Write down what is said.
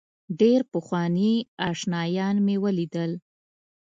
ډېر پخواني آشنایان مې ولیدل.